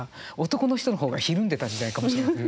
男の人の方がひるんでた時代かもしれない。